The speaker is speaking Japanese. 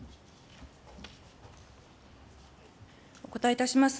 お答えいたします。